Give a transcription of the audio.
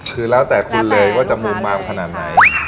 คือแล้วแต่คุณเลยว่าจะมุมมาขนาดไหน